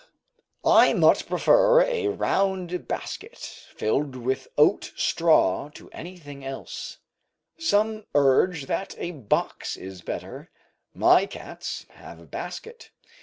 I much prefer a round basket filled with oat straw to anything else; some urge that a box is better; my cats have a basket.